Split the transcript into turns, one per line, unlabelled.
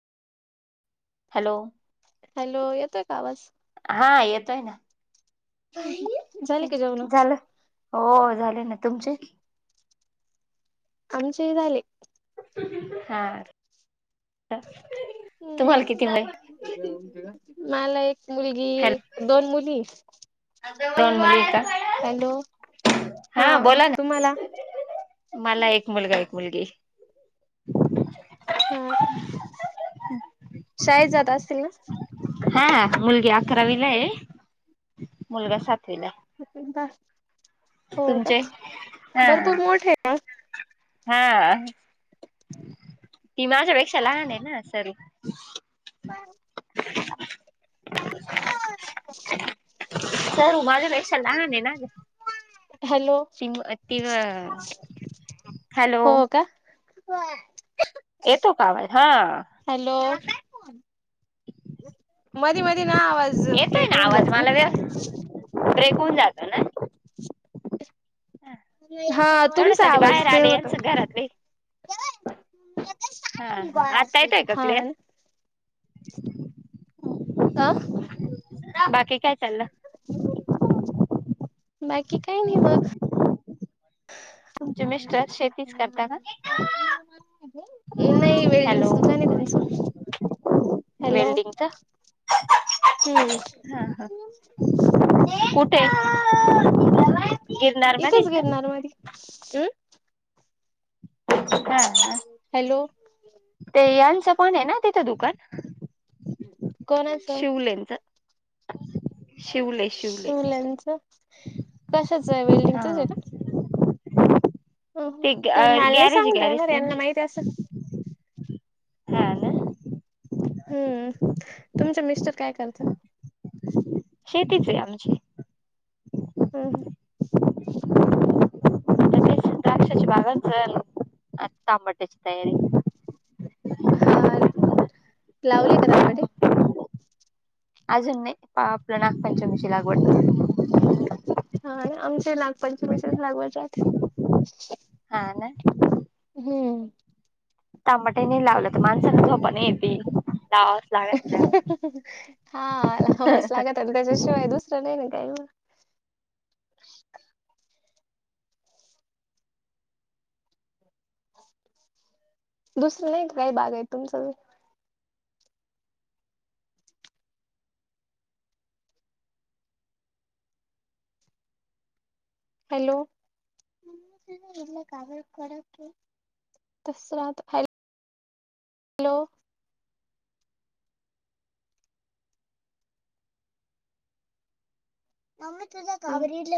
Hello.
Hello येतोय का आवाज.
हा येतोय ना
झाले की जेवण
झालं. हो झाले ना तुमचे.
आमचे झाले.
हा
हम्म
तुम्हाला किती माहि
मला एक मुलगी दोन मुली.
दोन मुल का
हॅलो
हा बोला ना. मला एक मुलगा एक मुलगी.
हा शाळेत जात असतील ना.
हा मुलगी अकरावीलाय आहे मुलगा सातवीलाय.
हो का
तुमचे हा
भरपूर मोठे ना.
हा. ती माझ्यापेक्षा लहान आहे ना सरू.
काय
[inaudible] सरू माझ्या पेक्षा लहान आहे ना ग.
हॅलो.
त तिव हॅलो
व [unintelligible]
ए तो, का आवाज हा.
हॅलो मध्ये मध्ये नाही आवाज
येतोय
ब्रेक होऊन
आवाज
जातो ना.
मला व्यव ब्रेक होऊन जातो ना.
हा तुमचा
तेवढ्यासाठी
आवाज
बाहेर
ते
आले
होत.
यांचं घरातले हा हा आता येतोय का
हा.
क्लिअर
ना
ह बाकी काय चाललं.
बाकी काय नाही मग [inaudible]
तुमचे मिस्टर शेतीच करता का
नाही
हॅलो
वेल्डिंगच दुकान आहे त्यांचं हॅलो.
वेल्डिंगच हा
हम्म
हा. कुठे गिरनार बधस ना.
हं.
हा. हा
हॅलो.
ते यांचं पण आहे ना तिथं दुकान
कोणाचं
शिवलेंचं. ह.
शिवले च कशाच आहे
हा
वेल्डिंगचच का. अहं.
ते गॅरेज गॅरेज त्यांचे.
असं.
हा ना.
हम्म तुमच मिस्टर काय करतं.
शेतीच आहे आमची.
हो हो.
तेच द्राक्षाची बागा तांबट्याची तयारी
हा लावले का तंबाटे?
अजून नाही. आपलं नागपंचमीची लागवड
हा ना, आमचे नागपंचमीचेच लागवाचेत्.
हा ना.
हम्म.
तांबाट्या नाही लावलं तर, माणसान झोपा नाहीेयेती. लाव
[inaudible] हाला बस लागत आणि त्याच्याशिवाय दुसरं नाही ना काही मग. दुसरं नाही काही बागायत तुमचं? हॅलो [unintelligible] तस [unintelligible] हॅलो. मम्मे तुझ [unintelligible]